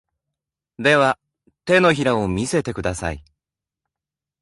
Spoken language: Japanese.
では、手のひらを見せてください。